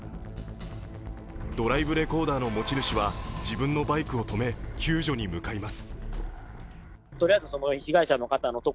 ドライブレコーダーの持ち主は自分のバイクを止め救助に向かいます。